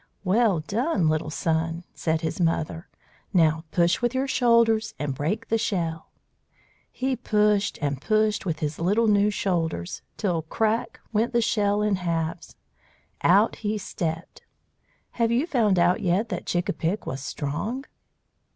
"Well done, little son," said his mother. "Now push with your shoulders and break the shell." He pushed and pushed with his little new shoulders, till crack! went the shell in halves. Out he stepped. Have you found out yet that Chick a pick was strong?